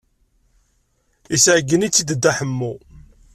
Yesɛuggen-itt-id Dda Ḥemmu.